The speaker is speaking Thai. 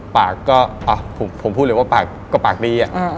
ปากก็ผมพูดเลยว่าปากก็ปากดี